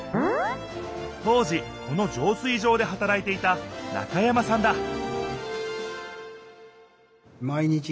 当時このじょう水場ではたらいていた中山さんだ